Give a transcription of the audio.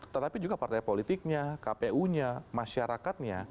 tetapi juga partai politiknya kpu nya masyarakatnya